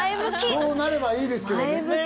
そうなればいいけどね。